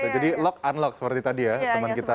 jadi lock unlock seperti tadi ya teman kita